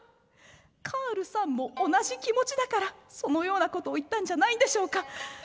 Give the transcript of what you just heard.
カールさんも同じ気持ちだからそのようなことを言ったんじゃないんでしょうか。